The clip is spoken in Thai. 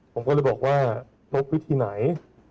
ผมก็เลยบอกว่าลบวิธีไหน